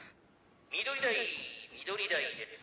緑台緑台です。